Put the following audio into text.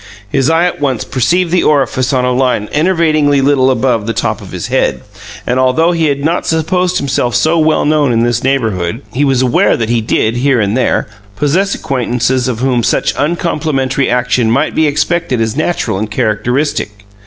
His eye at once perceived the orifice on a line enervatingly little above the top of his head; and, although he had not supposed himself so well known in this neighbourhood, he was aware that he did, here and there, possess acquaintances of whom some such uncomplimentary action might be expected as natural and characteristic.